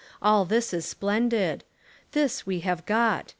All this is splendid. This we have got.